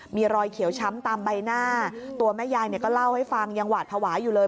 มีรอยเขียวช้ำตามใบหน้าตัวแม่ยายเนี่ยก็เล่าให้ฟังยังหวาดภาวะอยู่เลย